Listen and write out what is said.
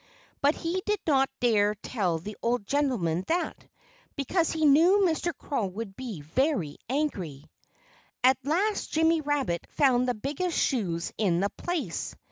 But he did not dare tell the old gentleman that, because he knew Mr. Crow would be very angry. At last Jimmy Rabbit found the biggest shoes in the place.